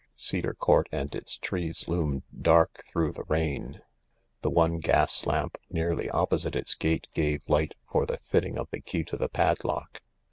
Cedar Court and its trees loomed dark through the rain. The one gas lamp nearly opposite its gate gave light for the fitting of the key to the padlock.